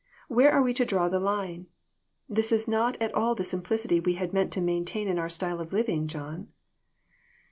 Where are we to draw the line? This is not at all the simplicity we had meant to maintain in our style of living, John."